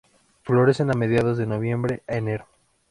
Florecen de mediados de noviembre a enero.